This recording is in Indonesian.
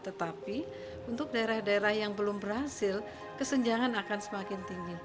tetapi untuk daerah daerah yang belum berhasil kesenjangan akan semakin tinggi